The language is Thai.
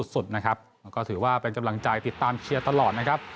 ก็ได้การเป็นกำลังจ่ายติดตามเชียร์ตลอดนะครับ